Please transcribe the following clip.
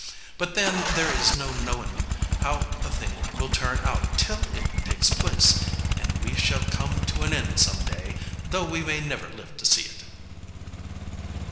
But then there is no knowing how a thing will turn out till it takes place; and we shall come to an end some day, though we may never live to see it."